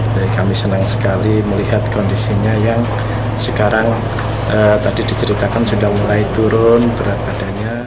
jadi kami senang sekali melihat kondisinya yang sekarang tadi diceritakan sudah mulai turun berat padanya